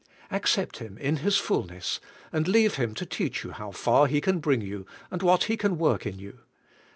Accept Him in His fullness and leave Him to teach ^ow how far He can bring you and what He can work in you.